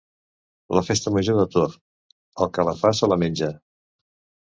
La festa major de Tor: el que la fa se la menja.